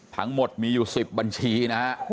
ทั้งหมดมีอยู่๑๐บัญชีนะฮะ